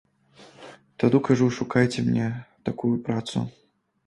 Тады, кажу, шукайце мне такую працу.